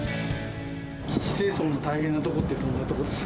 基地清掃の大変なところってどんなところですか？